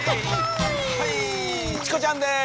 はいチコちゃんです